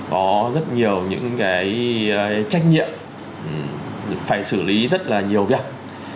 có rất nhiều những cái trách nhiệm phải xử lý rất là nhiều việc